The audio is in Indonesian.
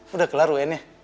udah kelar un nya